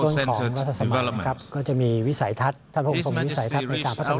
ตอนที่กลุ่มมือที่สุดมีวิสัยทัศน์ของมนุษย์ที่เป็นสำหรับประชาชน